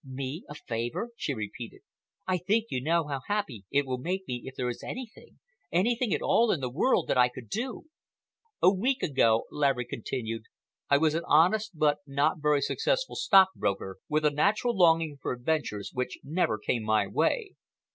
"Me a favor?" she repeated. "I think you know how happy it will make me if there is anything—anything at all in the world that I could do." "A week ago," Laverick continued, "I was an honest but not very successful stockbroker, with a natural longing for adventures which never came my way.